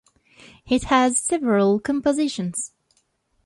It has several compositions.